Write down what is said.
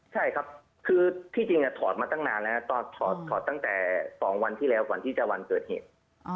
ใช่ครับคือที่จริงถอดมาตั้งนานแล้วตอนถอดตั้งแต่๒วันที่แล้วก่อนที่จะวันเกิดเหตุ